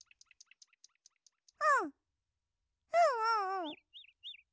うんうんうんうん。